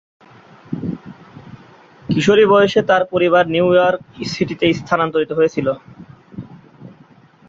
কিশোরী বয়সে তার পরিবার নিউ ইয়র্ক সিটিতে স্থানান্তরিত হয়েছিল।